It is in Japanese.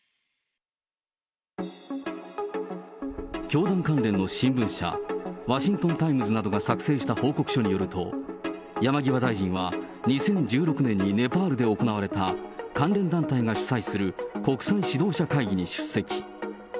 教団関連の新聞社、ワシントン・タイムズなどが作成した報告書によると、山際大臣は２０１６年にネパールで行われた関連団体が主催する国際指導者会議に出席。